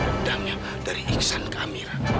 dia menurunkan dendamnya dari iksan ke amira